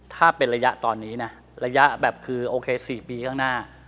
ถ้าเป็นระยะตอนนี้นะระยะแบบคือโอเค๔ปีข้างหน้า